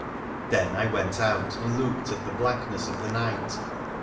Then I went out and looked at the blackness of the night.